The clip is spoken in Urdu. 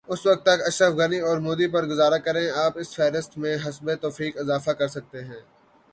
اس وقت تک اشرف غنی اورمودی پر گزارا کریں آپ اس فہرست میں حسب توفیق اضافہ کرسکتے ہیں۔